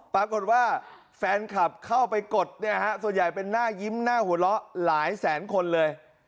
ปรากฏว่าแฟนคลับเข้าไปกดเนี่ยฮะส่วนใหญ่เป็นหน้ายิ้มหน้าหัวเราะหลายแสนคนเลย